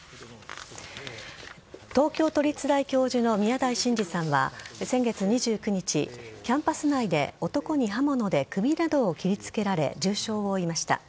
東京都立大教授の宮台真司さんは先月２９日、キャンパス内で男に刃物で首などを切りつけられ重傷を負いました。